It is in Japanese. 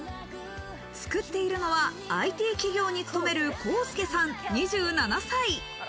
作っているのは、ＩＴ企業に勤めるＫｏ−ＳＵＫＥさん、２７歳。